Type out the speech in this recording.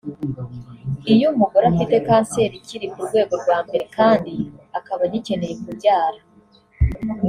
Iyo umugore afite kanseri ikiri ku rwego rwa mbere kandi akaba agikeneye kubyara